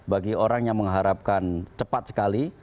bagi orang yang mengharapkan cepat sekali